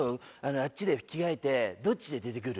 あっちで着替えてどっちで出てくる？